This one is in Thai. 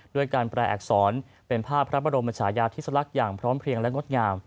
ด้วยการแปลอักษรเป็นภาพพระบรมชายาธิสลักษณ์อย่างพร้อมเพลียงและงดงาม